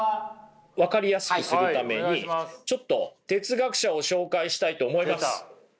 分かりやすくするためにちょっと哲学者を紹介したいと思います。